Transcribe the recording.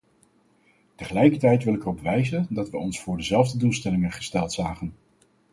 Tegelijkertijd wil ik erop wijzen dat wij ons voor dezelfde doelstelling gesteld zagen.